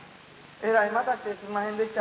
えらい待たしてすんまへんでした。